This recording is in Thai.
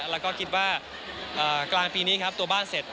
แล้วก็คิดว่ากลางปีนี้ครับตัวบ้านเสร็จ